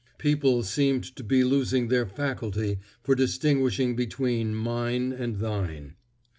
People seemed to be losing their faculty for distinguishing between mine and thine.